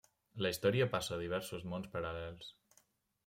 La història passa a diversos mons paral·lels.